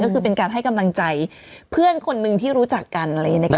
ก็เป็นการให้กำลังใจเพื่อนคนหนึ่งรู้จากกัน